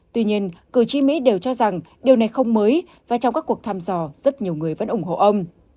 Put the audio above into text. tuy nhiên cử tri mỹ đều cho rằng điều này không mới và trong các cuộc thăm dò rất nhiều người vẫn ủng hộ ông